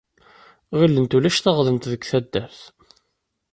Ɣilent ulac teɣdemt deg taddart.